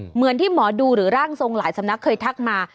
เหมือนที่หมอดูหรือร่างทรงหลายสำนักเคยทักมา